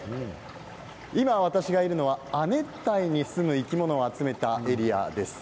今、私がいるのは亜熱帯に住む生き物を集めたエリアです。